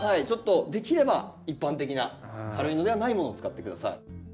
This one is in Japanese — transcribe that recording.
ちょっとできれば一般的な軽いのではないものを使って下さい。